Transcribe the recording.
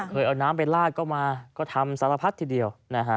เคยเอาน้ำไปลาดก็มาก็ทำสารพัดทีเดียว